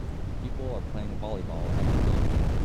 People are playing volleyball at the beach